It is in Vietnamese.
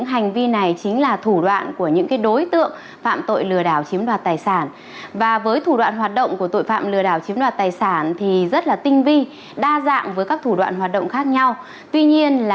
hãy đăng ký kênh để nhận thêm thông tin